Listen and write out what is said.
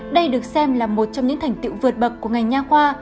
đây được xem là một trong những thành tựu vượt bậc của ngành nhà khoa